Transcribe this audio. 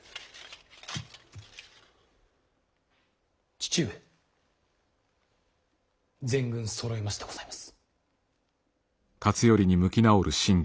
父上全軍そろいましてございます。